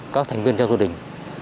các thành viên gia đình